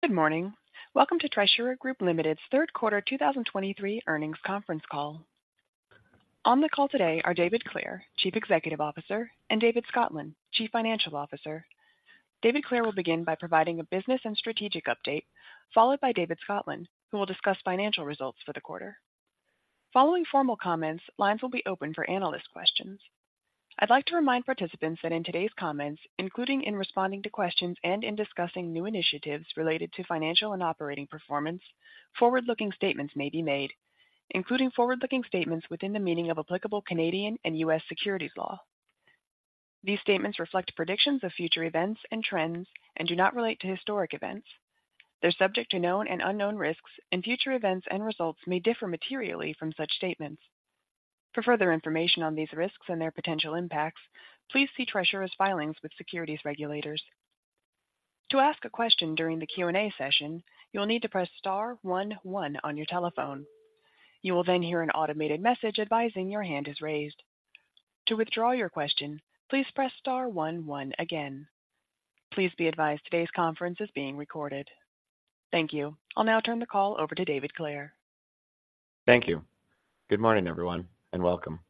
Good morning. Welcome to Trisura Group Ltd.'s third quarter 2023 earnings conference call. On the call today are David Clare, Chief Executive Officer, and David Scotland, Chief Financial Officer. David Clare will begin by providing a business and strategic update, followed by David Scotland, who will discuss financial results for the quarter. Following formal comments, lines will be open for analyst questions. I'd like to remind participants that in today's comments, including in responding to questions and in discussing new initiatives related to financial and operating performance, forward-looking statements may be made, including forward-looking statements within the meaning of applicable Canadian and U.S. securities law. These statements reflect predictions of future events and trends and do not relate to historic events. They're subject to known and unknown risks, and future events and results may differ materially from such statements. For further information on these risks and their potential impacts, please see Trisura's filings with securities regulators. To ask a question during the Q&A session, you will need to press star one one on your telephone. You will then hear an automated message advising that your hand is raised. To withdraw your question, please press star one one again. Please be advised that today's conference is being recorded. Thank you. I'll now turn the call over to David Clare. Thank you. Good morning, everyone, and welcome.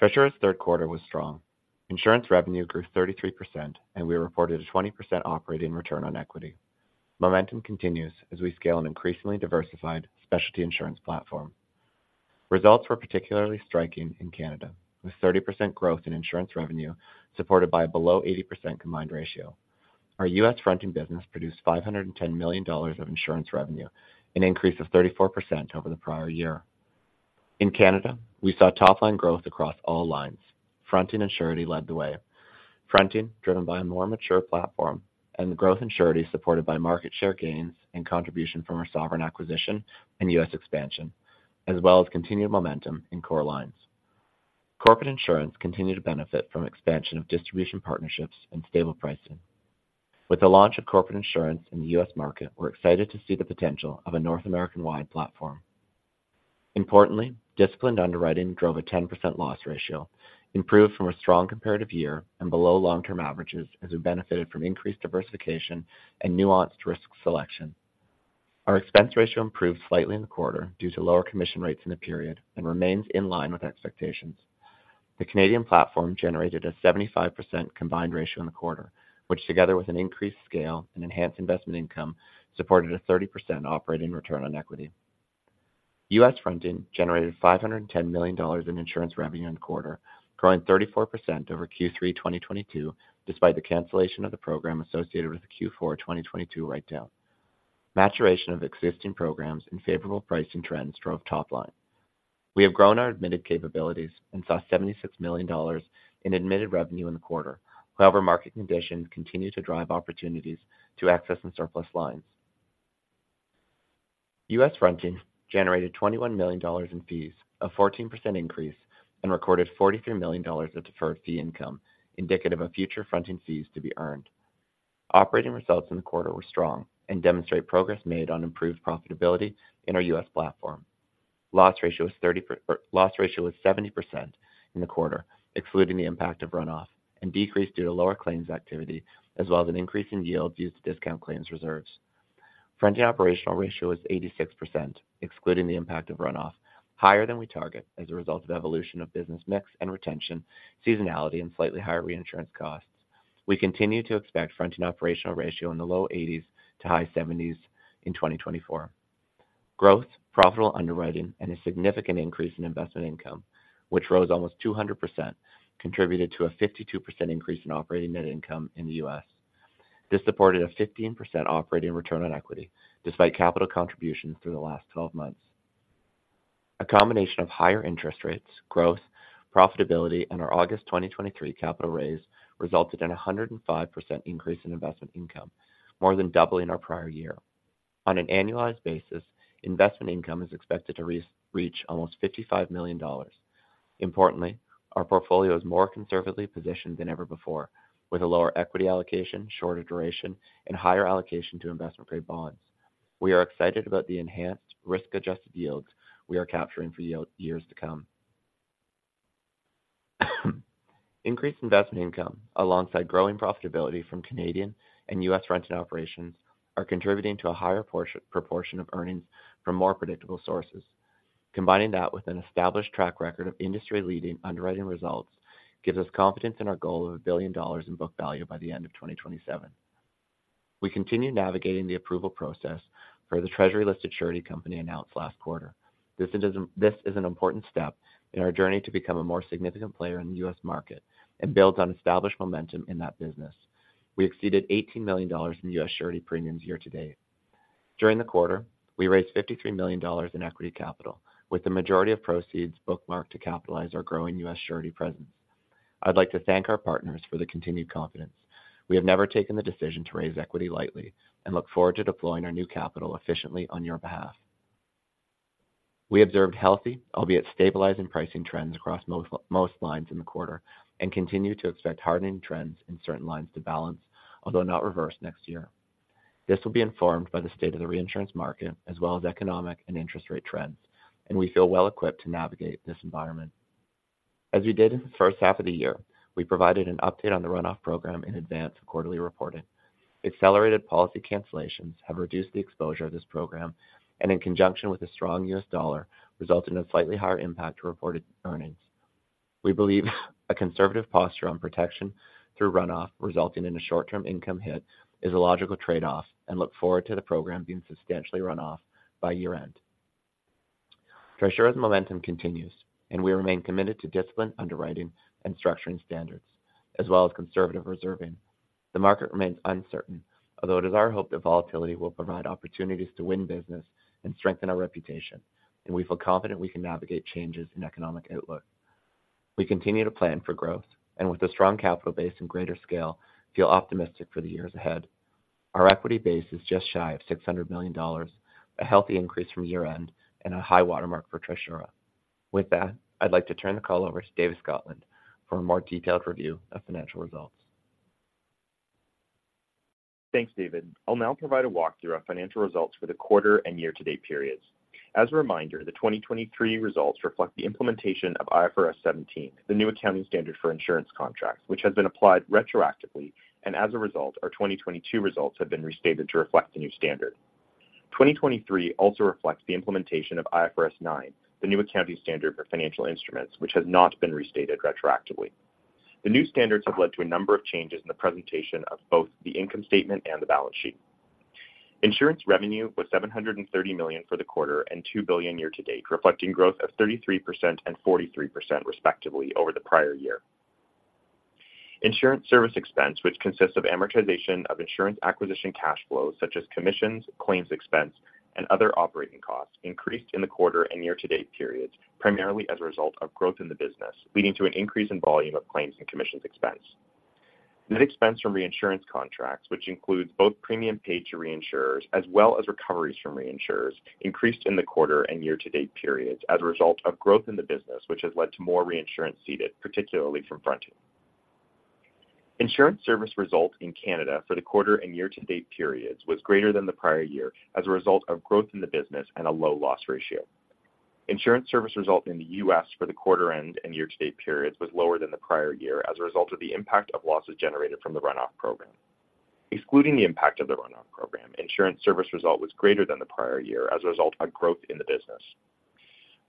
Trisura's third quarter was strong. Insurance revenue grew 33%, and we reported a 20% operating return on equity. Momentum continues as we scale an increasingly diversified specialty insurance platform. Results were particularly striking in Canada, with 30% growth in insurance revenue, supported by a below 80% combined ratio. Our U.S. fronting business produced $510 million of insurance revenue, an increase of 34% over the prior year. In Canada, we saw top-line growth across all lines. Fronting and Surety led the way. Fronting, driven by a more mature platform and the growth in Surety, supported by market share gains and contribution from our Sovereign acquisition and U.S. expansion, as well as continued momentum in core lines. Corporate Insurance continued to benefit from the expansion of distribution partnerships and stable pricing. With the launch of corporate insurance in the U.S. market, we're excited to see the potential of a North American-wide platform. Importantly, disciplined underwriting drove a 10% loss ratio, improved from a strong comparative year and below long-term averages as we benefited from increased diversification and nuanced risk selection. Our expense ratio improved slightly in the quarter due to lower commission rates in the period and remains in line with expectations. The Canadian platform generated a 75% combined ratio in the quarter, which, together with an increased scale and enhanced investment income, supported a 30% operating return on equity. U.S. fronting generated $510 million in insurance revenue in the quarter, growing 34% over Q3 2022, despite the cancellation of the program associated with the Q4 2022 write-down. Maturation of existing programs and favorable pricing trends drove the top line. We have grown our admitted capabilities and saw $76 million in admitted revenue in the quarter. However, market conditions continue to drive opportunities to excess and surplus lines. U.S. Fronting generated $21 million in fees, a 14% increase, and recorded $43 million of deferred fee income, indicative of future fronting fees to be earned. Operating results in the quarter were strong and demonstrate progress made on improved profitability in our U.S. platform. Loss ratio was 70% in the quarter, excluding the impact of runoff, and decreased due to lower claims activity, as well as an increase in yields used to discount claims reserves. Fronting operational ratio is 86%, excluding the impact of runoff, higher than we target as a result of the evolution of business mix and retention, seasonality, and slightly higher reinsurance costs. We continue to expect the fronting operational ratio in the low 80s to high 70s in 2024. Growth, profitable underwriting, and a significant increase in investment income, which rose almost 200%, contributed to a 52% increase in operating net income in the U.S. This supported a 15% operating return on equity, despite capital contributions through the last 12 months. A combination of higher interest rates, growth, profitability, and our August 2023 capital raise resulted in a 105% increase in investment income, more than doubling our prior year. On an annualized basis, investment income is expected to reach almost $55 million. Importantly, our portfolio is more conservatively positioned than ever before, with a lower equity allocation, shorter duration, and higher allocation to investment-grade bonds. We are excited about the enhanced risk-adjusted yields we are capturing for years to come. Increased investment income, alongside growing profitability from Canadian and U.S. fronting operations, is contributing to a higher portion, proportion of earnings from more predictable sources. Combining that with an established track record of industry-leading underwriting results gives us confidence in our goal of $1 billion in book value by the end of 2027. We continue navigating the approval process for the Treasury-listed surety company announced last quarter. This is an important step in our journey to become a more significant player in the U.S. market and builds on established momentum in that business. We exceeded $18 million in U.S. surety premiums year-to-date. During the quarter, we raised $53 million in equity capital, with the majority of proceeds earmarked to capitalize our growing U.S. surety presence. I'd like to thank our partners for the continued confidence. We have never taken the decision to raise equity lightly and look forward to deploying our new capital efficiently on your behalf. We observed healthy, albeit stabilizing pricing trends across most lines in the quarter and continue to expect hardening trends in certain lines to balance, although not reverse next year. This will be informed by the state of the reinsurance market as well as economic and interest rate trends, and we feel well equipped to navigate this environment. As we did in the first half of the year, we provided an update on the run-off program in advance of quarterly reporting. Accelerated policy cancellations have reduced the exposure of this program and in conjunction with the strong U.S. dollar, resulted in a slightly higher impact on reported earnings. We believe a conservative posture on protection through run-off, resulting in a short-term income hit, is a logical trade-off and look forward to the program being substantially run off by year-end. Trisura's momentum continues, and we remain committed to disciplined underwriting and structuring standards, as well as conservative reserving. The market remains uncertain, although it is our hope that volatility will provide opportunities to win business and strengthen our reputation, and we feel confident we can navigate changes in economic outlook. We continue to plan for growth, and with a strong capital base and greater scale, feel optimistic for the years ahead. Our equity base is just shy of $600 million, a healthy increase from year-end and a high watermark for Trisura. With that, I'd like to turn the call over to David Scotland for a more detailed review of financial results. Thanks, David. I'll now provide a walkthrough of financial results for the quarter and year-to-date periods. As a reminder, the 2023 results reflect the implementation of IFRS 17, the new accounting standard for insurance contracts, which has been applied retroactively, and as a result, our 2022 results have been restated to reflect the new standard. 2023 also reflects the implementation of IFRS 9, the new accounting standard for financial instruments, which has not been restated retroactively. The new standards have led to a number of changes in the presentation of both the income statement and the balance sheet. Insurance revenue was 730 million for the quarter and $2 billion year-to-date, reflecting growth of 33% and 43%, respectively, over the prior year. Insurance service expense, which consists of amortization of insurance acquisition cash flows such as commissions, claims expense, and other operating costs, increased in the quarter and year-to-date periods primarily as a result of growth in the business, leading to an increase in volume of claims and commissions expense. Net expense from reinsurance contracts, which includes both premiums paid to reinsurers as well as recoveries from reinsurers, increased in the quarter and year-to-date periods as a result of growth in the business, which has led to more reinsurance ceded, particularly from fronting. Insurance service result in Canada for the quarter and year-to-date periods was greater than the prior year as a result of growth in the business and a low loss ratio. Insurance service result in the U.S. for the quarter end and year-to-date periods was lower than the prior year as a result of the impact of losses generated from the run-off program. Excluding the impact of the run-off program, insurance service result was greater than the prior year as a result of growth in the business.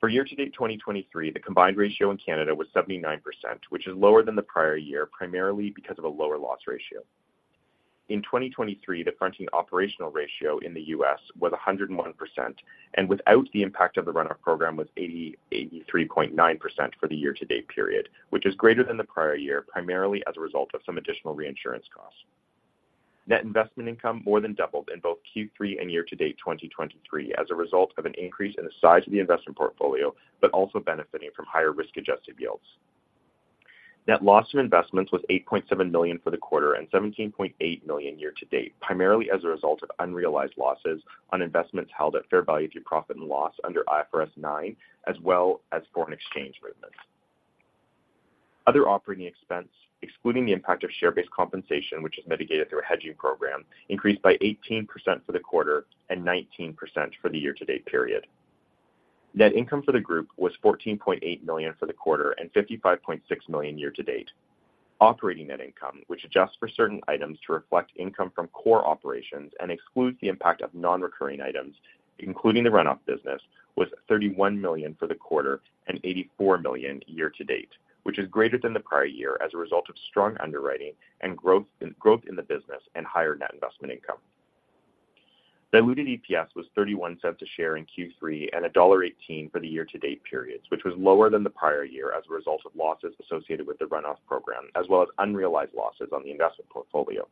For year-to-date 2023, the combined ratio in Canada was 79%, which is lower than the prior year, primarily because of a lower loss ratio. In 2023, the fronting operational ratio in the U.S. was 101%, and without the impact of the run-off program, was 83.9% for the year-to-date period, which is greater than the prior year, primarily as a result of some additional reinsurance costs. Net investment income more than doubled in both Q3 and year-to-date 2023 as a result of an increase in the size of the investment portfolio, but also benefiting from higher risk-adjusted yields. Net loss on investments was 8.7 million for the quarter and 17.8 million year-to-date, primarily as a result of unrealized losses on investments held at fair value through profit and loss under IFRS 9, as well as foreign exchange movements. Other operating expense, excluding the impact of share-based compensation, which is mitigated through a hedging program, increased by 18% for the quarter and 19% for the year-to-date period. Net income for the group was 14.8 million for the quarter and 55.6 million year-to-date. Operating net income, which adjusts for certain items to reflect income from core operations and excludes the impact of non-recurring items, including the run-off business, was 31 million for the quarter and 84 million year-to-date, which is greater than the prior year as a result of strong underwriting and growth, growth in the business and higher net investment income. Diluted EPS was 0.31 a share in Q3 and dollar 1.18 for the year-to-date period, which was lower than the prior year as a result of losses associated with the run-off program, as well as unrealized losses on the investment portfolio.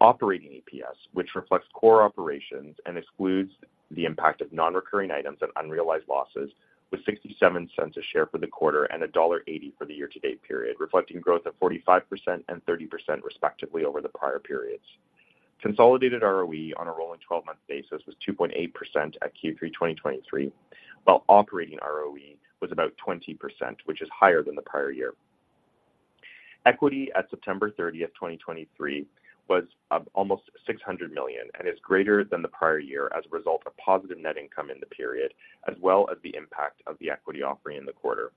Operating EPS, which reflects core operations and excludes the impact of non-recurring items and unrealized losses, was 0.67 a share for the quarter and dollar 1.80 for the year-to-date period, reflecting growth of 45% and 30%, respectively, over the prior periods. Consolidated ROE on a rolling 12-month basis was 2.8% at Q3 2023, while operating ROE was about 20%, which is higher than the prior year. Equity at September 30th, 2023, was almost 600 million and is greater than the prior year as a result of positive net income in the period, as well as the impact of the equity offering in the quarter.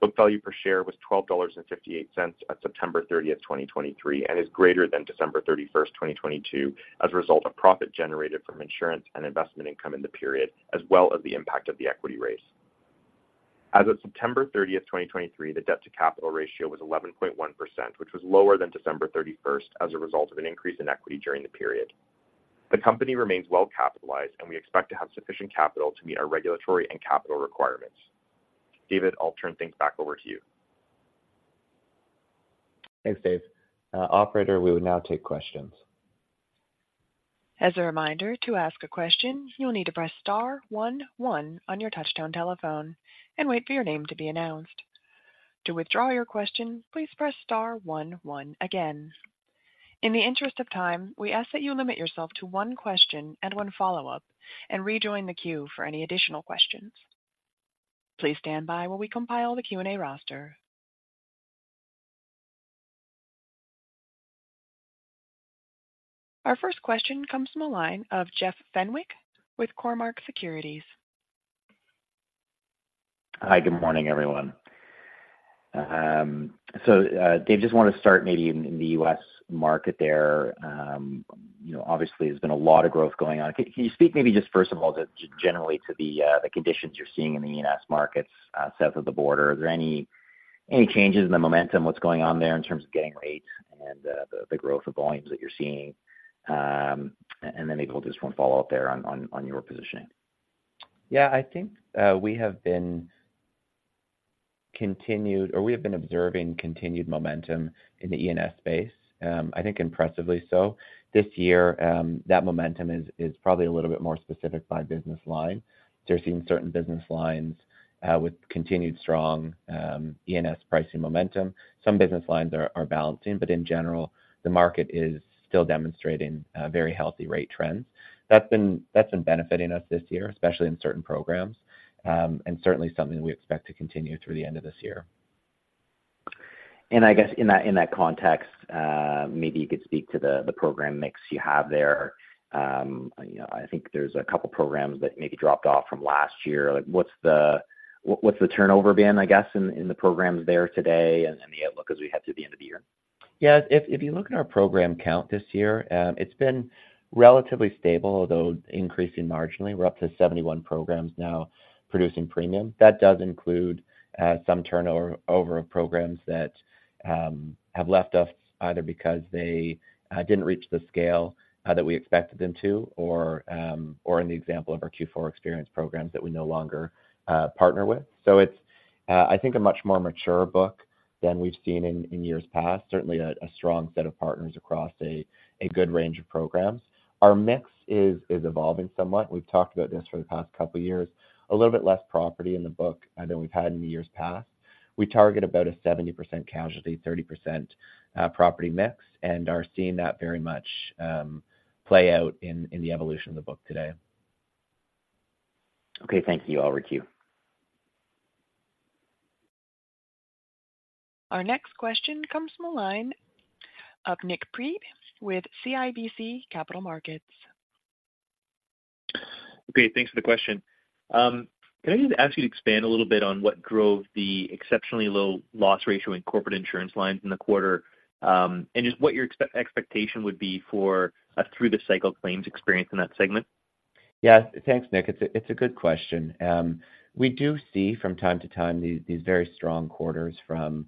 Book value per share was $12.58 at September 30th, 2023, and is greater than December 31st, 2022, as a result of profit generated from insurance and investment income in the period, as well as the impact of the equity raise. As of September 30th, 2023, the debt-to-capital ratio was 11.1%, which was lower than on December 31st as a result of an increase in equity during the period. The company remains well capitalized, and we expect to have sufficient capital to meet our regulatory and capital requirements. David, I'll turn things back over to you. Thanks, Dave. Operator, we will now take questions. As a reminder, to ask a question, you'll need to press star one one on your touchtone telephone and wait for your name to be announced. To withdraw your question, please press star one one again. In the interest of time, we ask that you limit yourself to one question and one follow-up and rejoin the queue for any additional questions. Please stand by while we compile the Q&A roster. Our first question comes from the line of Jeff Fenwick with Cormark Securities. Hi, good morning, everyone. So, Dave, just want to start maybe in, in the U.S. market there. You know, obviously, there's been a lot of growth going on. Can, can you speak maybe just first of all, just generally to the, the conditions you're seeing in the E&S markets, south of the border? Are there any, any changes in the momentum, what's going on there in terms of getting rates and, the, the growth of volumes that you're seeing? And then maybe we'll do just one follow-up there on, on, on your positioning. Yeah, I think, we have been observing continued momentum in the E&S space, I think impressively so. This year, that momentum is probably a little bit more specific by business line. So you're seeing certain business lines with continued strong E&S pricing momentum. Some business lines are balancing, but in general, the market is still demonstrating very healthy rate trends. That's been benefiting us this year, especially in certain programs, and certainly something we expect to continue through the end of this year. I guess in that context, maybe you could speak to the program mix you have there. You know, I think there's a couple programs that maybe dropped off from last year. Like, what's the turnover been, I guess, in the programs there today and the outlook as we head to the end of the year? Yeah, if you look at our program count this year, it's been relatively stable, although increasing marginally. We're up to 71 programs now producing premium. That does include some turnover of programs that have left us, either because they didn't reach the scale that we expected them to, or in the example of our Q4 experience, programs that we no longer partner with. So it's, I think, a much more mature book than we've seen in years past. Certainly a strong set of partners across a good range of programs. Our mix is evolving somewhat. We've talked about this for the past couple of years. A little bit less property in the book than we've had in the years past. We target about a 70% casualty, 30% property mix, and are seeing that very much play out in the evolution of the book today. Okay. Thank you. I'll requeue. Our next question comes from the line of Nik Priebe with CIBC Capital Markets. Okay, thanks for the question. Can I just ask you to expand a little bit on what drove the exceptionally low loss ratio in corporate insurance lines in the quarter, and just what your expectation would be for through the cycle claims experience in that segment? Yes. Thanks, Nik. It's a good question. We do see from time to time these very strong quarters from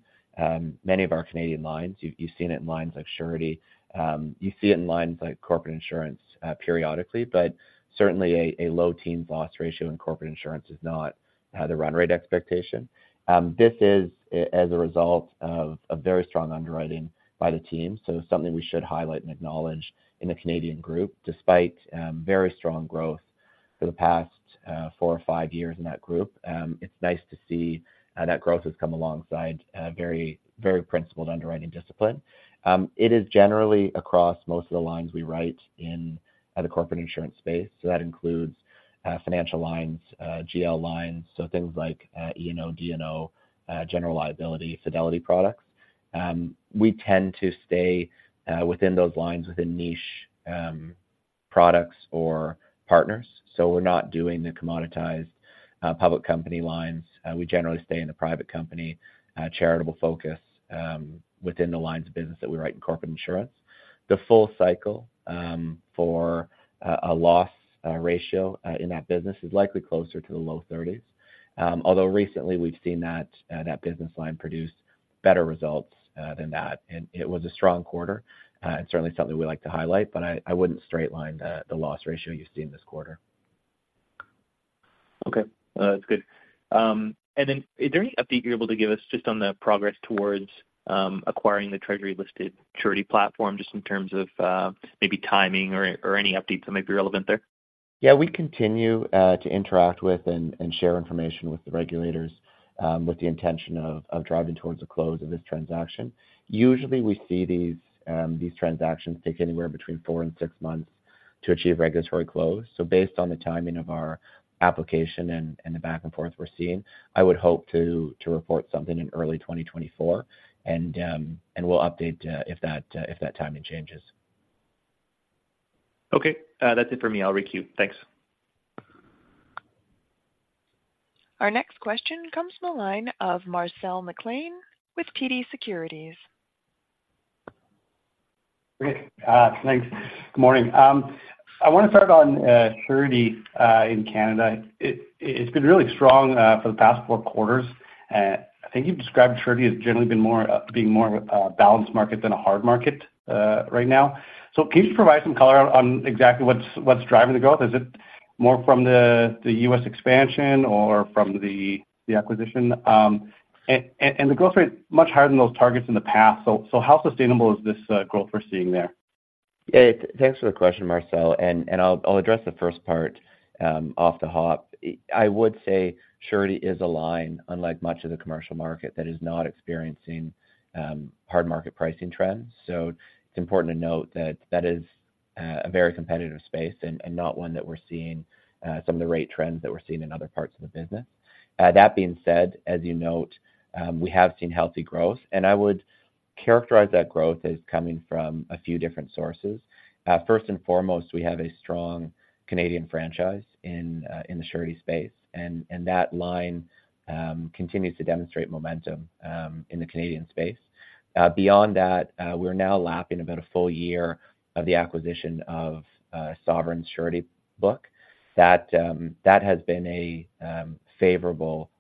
many of our Canadian lines. You've seen it in lines like Surety. You see it in lines like Corporate Insurance periodically, but certainly a low-teen loss ratio in Corporate Insurance is not the run rate expectation. This is as a result of a very strong underwriting by the team, so something we should highlight and acknowledge in the Canadian group. Despite very strong growth for the past four or five years in that group, it's nice to see that growth has come alongside a very, very principled underwriting discipline. It is generally across most of the lines we write in the Corporate Insurance space. So that includes financial lines, GL lines, so things like E&O, D&O, general liability, fidelity products. We tend to stay within those lines, within niche products or partners, so we're not doing the commoditized public company lines. We generally stay in the private company charitable focus within the lines of business that we write in corporate insurance. The full cycle for a loss ratio in that business is likely closer to the low 30s%. Although recently we've seen that business line produce better results than that, and it was a strong quarter and certainly something we like to highlight, but I wouldn't straight line the loss ratio you see in this quarter. Okay. That's good. And then is there any update you're able to give us just on the progress towards acquiring the Treasury-listed Surety platform, just in terms of maybe timing or any updates that may be relevant there? Yeah, we continue to interact with and share information with the regulators with the intention of driving towards the close of this transaction. Usually, we see these transactions take anywhere between four and six months to achieve regulatory close. So based on the timing of our application and the back and forth we're seeing, I would hope to report something in early 2024, and we'll update if that timing changes. Okay. That's it for me. I'll requeue. Thanks. Our next question comes from the line of Marcel McLean with TD Securities. Great. Thanks. Good morning. I want to start on Surety in Canada. It's been really strong for the past four quarters. I think you've described Surety as generally being more of a balanced market than a hard market right now. So can you provide some color on exactly what's driving the growth? Is it more from the U.S. expansion or from the acquisition? And the growth rate is much higher than those targets in the past. So how sustainable is this growth we're seeing there? Yeah, thanks for the question, Marcel, and I'll address the first part off the hop. I would say Surety is a line, unlike much of the commercial market, that is not experiencing hard market pricing trends. So it's important to note that that is a very competitive space and not one that we're seeing some of the rate trends that we're seeing in other parts of the business. That being said, as you note, we have seen healthy growth, and I would characterize that growth as coming from a few different sources. First and foremost, we have a strong Canadian franchise in the Surety space, and that line continues to demonstrate momentum in the Canadian space. Beyond that, we're now lapping about a full year of the acquisition of the Sovereign Surety book. That has been a favorable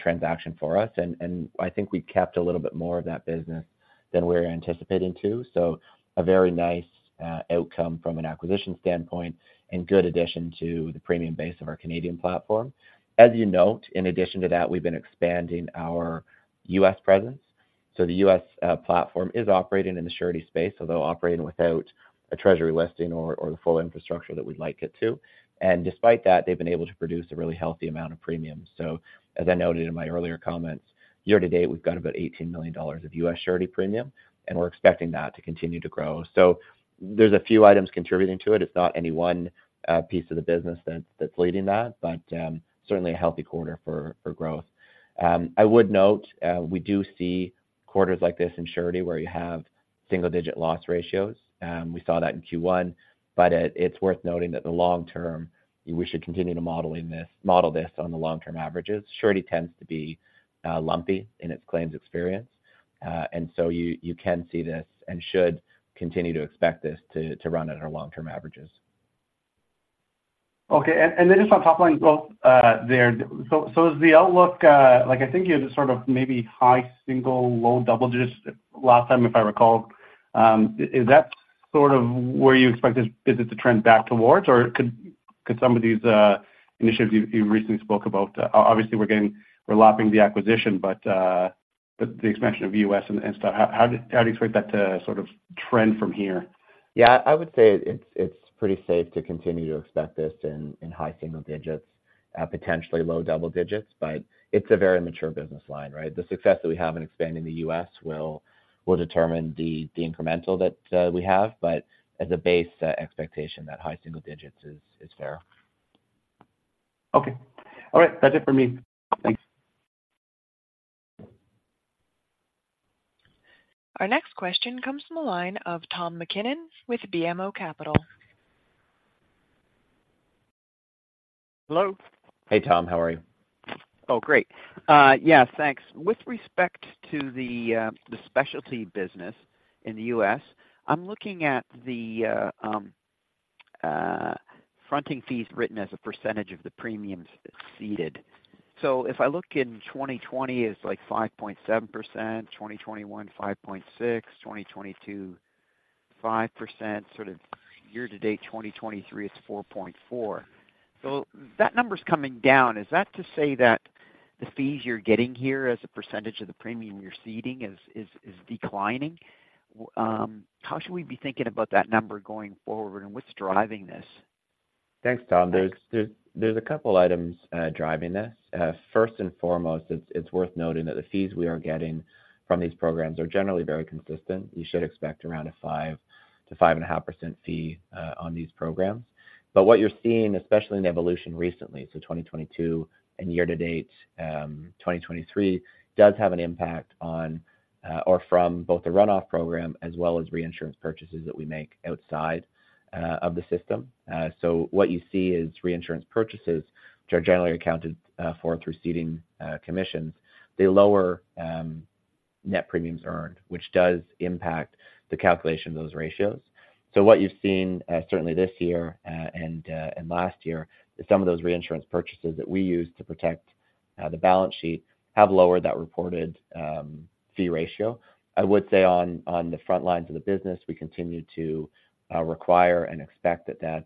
transaction for us, and I think we've kept a little bit more of that business than we were anticipating to. So, a very nice outcome from an acquisition standpoint and a good addition to the premium base of our Canadian platform. As you note, in addition to that, we've been expanding our U.S. presence. So the U.S. platform is operating in the Surety space, although operating without a Treasury listing or the full infrastructure that we'd like it to. And despite that, they've been able to produce a really healthy amount of premiums. So as I noted in my earlier comments, year-to-date, we've got about $18 million of U.S. Surety premium, and we're expecting that to continue to grow. So there's a few items contributing to it. It's not any one piece of the business that's leading that, but certainly a healthy quarter for growth. I would note we do see quarters like this in Surety, where you have single digit loss ratios. We saw that in Q1, but it's worth noting that the long term, we should continue to model this on the long-term averages. Surety tends to be lumpy in its claims experience. And so you can see this and should continue to expect this to run at our long-term averages. Okay. And then just on top line growth, there, so is the outlook, like, I think you had a sort of maybe high single, low double digits last time, if I recall. Is that sort of where you expect this business to trend back towards, or could some of these initiatives you recently spoke about—obviously, we're getting—we're lapping the acquisition, but, the expansion of U.S. and stuff, how do you expect that to sort of trend from here? Yeah, I would say it's pretty safe to continue to expect this in high single-digits, at potentially low double digits, but it's a very mature business line, right? The success that we have in expanding the U.S. will determine the increment that we have, but as a base expectation, that high single-digits is fair. Okay. All right. That's it for me. Thanks. Our next question comes from the line of Tom MacKinnon with BMO Capital. Hello. Hey, Tom. How are you? Oh, great. Yeah, thanks. With respect to the specialty business in the U.S., I'm looking at the fronting fees written as a percentage of the premiums ceded. So if I look in 2020, it's like 5.7%, 2021, 5.6%, 2022, 5%, sort of year-to-date, 2023, it's 4.4%. So that number's coming down. Is that to say that the fees you're getting here as a percentage of the premium you're ceding is declining? How should we be thinking about that number going forward, and what's driving this? Thanks, Tom. There's a couple of items driving this. First and foremost, it's worth noting that the fees we are getting from these programs are generally very consistent. You should expect around a 5%-5.5% fee on these programs. But what you're seeing, especially in evolution recently, so 2022 and year-to-date 2023, does have an impact on or from both the runoff program as well as reinsurance purchases that we make outside of the system. So what you see is reinsurance purchases, which are generally accounted for through ceding commissions. They lower net premiums earned, which does impact the calculation of those ratios. So what you've seen, certainly this year, and last year, is some of those reinsurance purchases that we use to protect the balance sheet, have lowered that reported fee ratio. I would say on the front lines of the business, we continue to require and expect that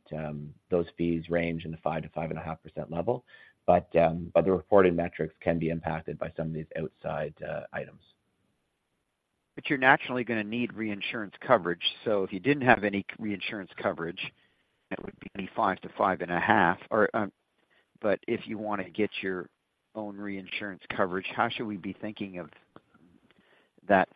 those fees range in the 5%-5.5% level. But the reporting metrics can be impacted by some of these outside items. But you're naturally going to need reinsurance coverage. So if you didn't have any reinsurance coverage, it would be 5%-5.5%, or, but if you want to get your own reinsurance coverage, how should we be thinking of that?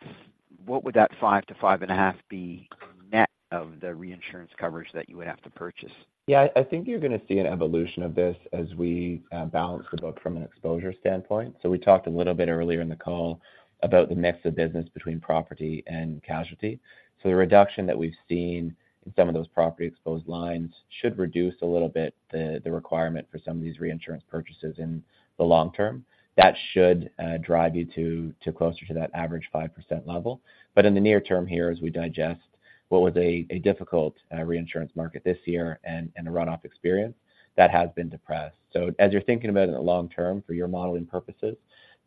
What would that 5%-5.5% be net of the reinsurance coverage that you would have to purchase? Yeah, I think you're going to see an evolution of this as we balance the book from an exposure standpoint. So we talked a little bit earlier in the call about the mix of business between property and casualty. So the reduction that we've seen in some of those property exposed lines should reduce a little bit the requirement for some of these reinsurance purchases in the long term. That should drive you to closer to that average 5% level. But in the near term here, as we digest what was a difficult reinsurance market this year and a runoff experience, that has been depressed. So as you're thinking about it in the long term for your modeling purposes,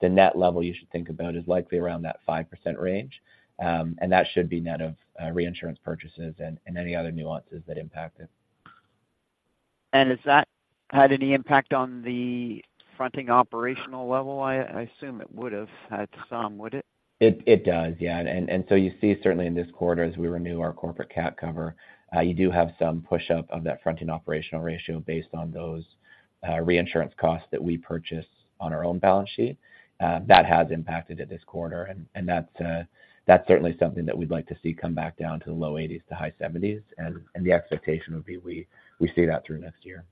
the net level you should think about is likely around that 5% range, and that should be net of reinsurance purchases and any other nuances that impact it. And has that had any impact on the fronting operational level? I assume it would have had some, would it? It, it does, yeah. And, so you see, certainly in this quarter, as we renew our corporate cat cover, you do have some push up of that fronting operational ratio based on those, reinsurance costs that we purchase on our own balance sheet. That has impacted it this quarter, and, and that's, that's certainly something that we'd like to see come back down to the low 80s % to high 70s %, and, and the expectation would be we, we see that through next year.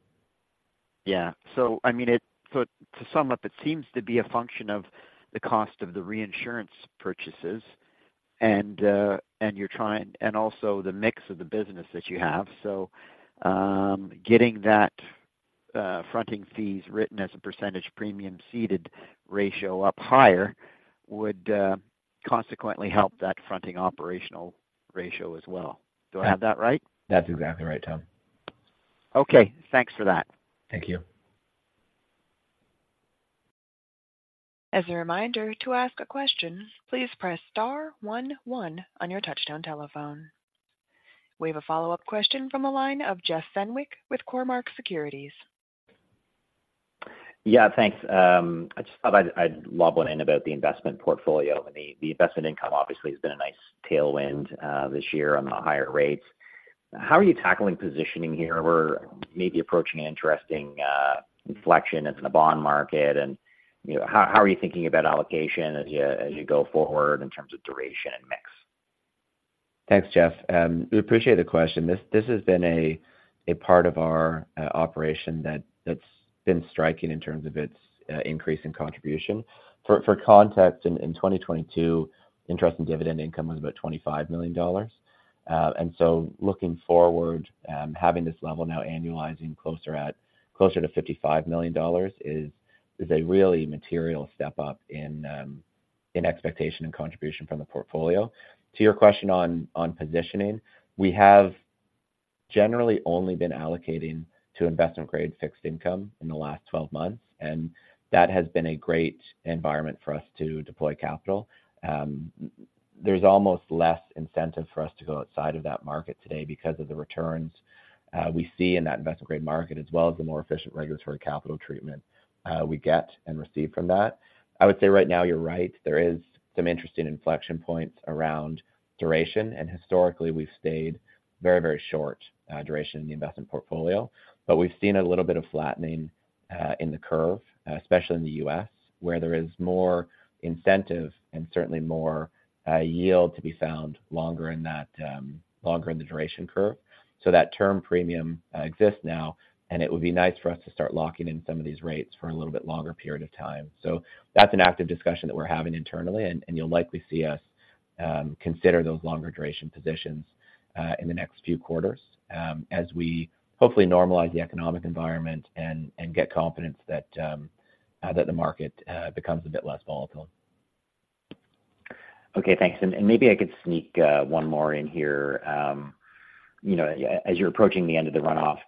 Yeah. So I mean, it-- so to sum up, it seems to be a function of the cost of the reinsurance purchases, and, and you're trying-- and also the mix of the business that you have. So, getting that, fronting fees written as a percentage premium ceded ratio up higher would, consequently, help that fronting operational ratio as well. Do I have that right? That's exactly right, Tom. Okay, thanks for that. Thank you. As a reminder, to ask a question, please press star one, one on your touchtone telephone. We have a follow-up question from the line of Jeff Fenwick with Cormark Securities. Yeah, thanks. I just thought I'd love one in about the investment portfolio. The investment income obviously has been a nice tailwind this year on the higher rates. How are you tackling positioning here? We're maybe approaching an interesting inflection in the bond market, and you know, how are you thinking about allocation as you go forward in terms of duration and mix? Thanks, Jeff. We appreciate the question. This has been a part of our operation that's been striking in terms of its increase in contribution. For context, in 2022, interest and dividend income was about $25 million. And so looking forward, having this level now annualizing closer to$55 million is a really material step up in expectation and contribution from the portfolio. To your question on positioning, we have generally only been allocating to investment-grade fixed income in the last 12 months, and that has been a great environment for us to deploy capital. There's almost less incentive for us to go outside of that market today because of the returns we see in that investment-grade market, as well as the more efficient regulatory capital treatment we get and receive from that. I would say right now, you're right. There is some interesting inflection points around duration, and historically, we've stayed very, very short duration in the investment portfolio. But we've seen a little bit of flattening in the curve, especially in the U.S., where there is more incentive and certainly more yield to be found longer in that longer in the duration curve. So that term premium exists now, and it would be nice for us to start locking in some of these rates for a little bit longer period of time. So that's an active discussion that we're having internally, and you'll likely see us consider those longer duration positions in the next few quarters, as we hopefully normalize the economic environment and get confidence that the market becomes a bit less volatile. Okay, thanks. And maybe I could sneak one more in here. You know, as you're approaching the end of the runoff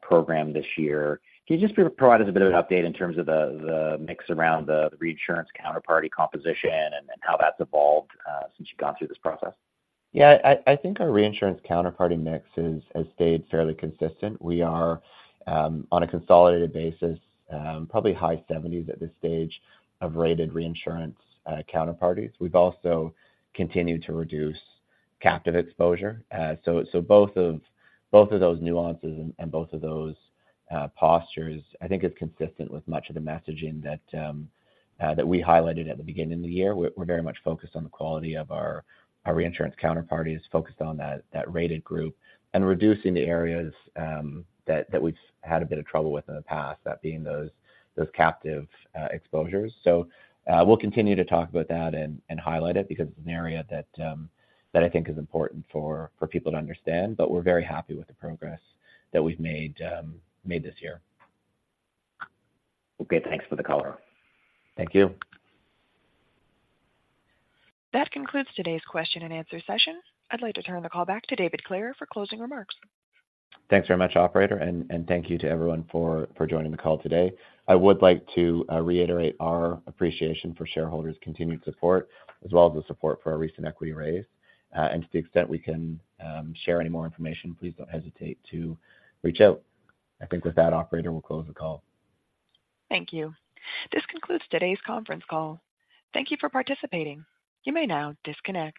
program this year, can you just provide us a bit of an update in terms of the mix around the reinsurance counterparty composition and how that's evolved since you've gone through this process? Yeah, I think our reinsurance counterparty mix is, has stayed fairly consistent. We are, on a consolidated basis, probably high 70s at this stage of rated reinsurance counterparties. We've also continued to reduce captive exposure. So both of those nuances and both of those postures, I think is consistent with much of the messaging that we highlighted at the beginning of the year. We're very much focused on the quality of our reinsurance counterparties, focused on that rated group and reducing the areas that we've had a bit of trouble with in the past, that being those captive exposures. So we'll continue to talk about that and highlight it because it's an area that I think is important for people to understand. But we're very happy with the progress that we've made this year. Okay, thanks for the color. Thank you. That concludes today's question and answer session. I'd like to turn the call back to David Clare for closing remarks. Thanks very much, operator, and thank you to everyone for joining the call today. I would like to reiterate our appreciation for shareholders' continued support, as well as the support for our recent equity raise. And to the extent we can, share any more information, please don't hesitate to reach out. I think with that, operator, we'll close the call. Thank you. This concludes today's conference call. Thank you for participating. You may now disconnect.